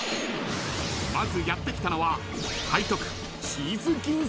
［まずやって来たのは］